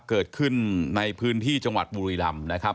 เกิดขึ้นในพื้นที่จังหวัดบุรีรำนะครับ